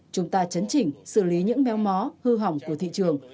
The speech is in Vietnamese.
chúng ta chấn chỉnh xử lý những méo mó hư hỏng của thị trường